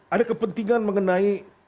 ada kepentingan mengenai